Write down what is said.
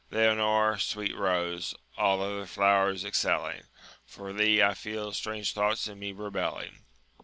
Leonor, sweet Bose, all other flowers exceUing, For thee I feel strange thoughts in me rebelling.